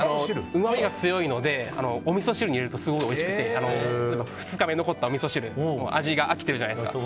うまみが強いのでおみそ汁に入れるとすごいおいしいので２日目に残ったおみそ汁味があきてるじゃないですか。